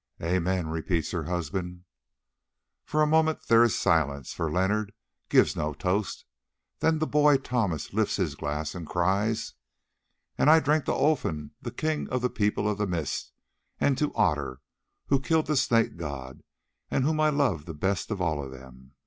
"Amen," repeats her husband. For a moment there is silence, for Leonard gives no toast; then the boy Thomas lifts his glass and cries, "And I drink to Olfan, the king of the People of the Mist, and to Otter, who killed the Snake god, and whom I love the best of all of them.